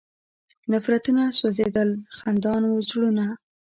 نفرتونه سوځېدل، خندان و زړونه